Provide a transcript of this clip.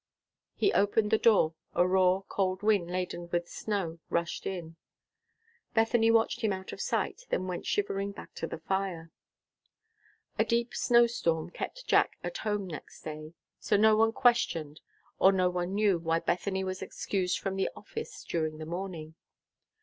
He opened the door. A raw, cold wind, laden with snow, rushed in. Bethany watched him out of sight, then went shivering back to the fire. A deep snowstorm kept Jack at home next day, so no one questioned, or no one knew why Bethany was excused from the office during the morning.